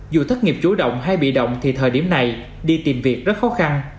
dù thất nghiệp chủ động hay bị động thì thời điểm này đi tìm việc rất khó khăn